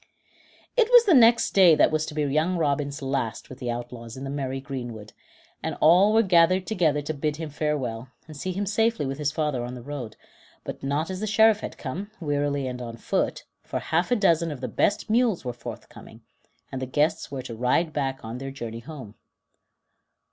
It was the next day that was to be young Robin's last with the outlaws in the merry greenwood, and all were gathered together to bid him farewell, and see him safely with his father on the road; but not as the Sheriff had come, wearily and on foot, for half a dozen of the best mules were forthcoming, and the guests were to ride back on their journey home.